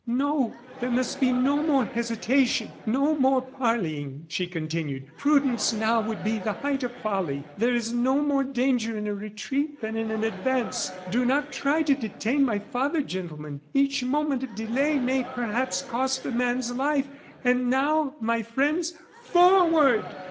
"No, there must be no more hesitation, no more parleying," she continued. "Prudence now would be the height of folly. There is no more danger in a retreat than in an advance. Do not try to detain my father, gentlemen; each moment of delay may, perhaps, cost a man's life. And now, my friends, forward!"